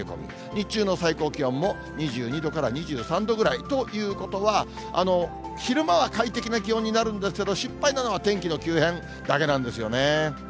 日中の最高気温も、２２度から２３度ぐらいということは、昼間は快適な気温になるんですけど、心配なのは天気の急変だけなんですよね。